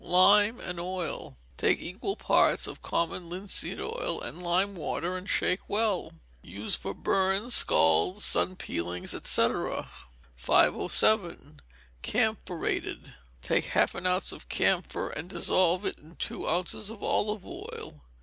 Lime and Oil. Take equal parts of common linseed oil and lime water and shake well. Use for burns, scalds, sun peelings, &c. 507. Camphorated. Take half an ounce of camphor and dissolve it in two ounces of olive oil.